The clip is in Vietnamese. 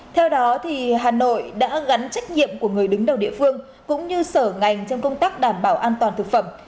theo đó hà nội đã gắn trách nhiệm của người đứng đầu địa phương cũng như sở ngành trong công tác đảm bảo an toàn thực phẩm